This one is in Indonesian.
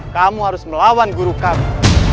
kamu harus melawan guru kami